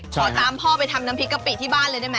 ใช่ครับ